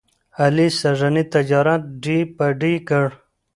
علي سږني تجارت ډۍ په ډۍ کړ.